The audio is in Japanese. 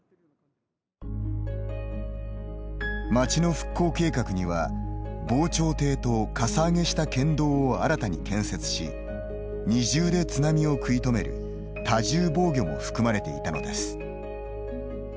町の復興計画には、「防潮堤」と「かさ上げした県道」を新たに建設し二重で津波を食い止める「多重防御」も含まれていたのです。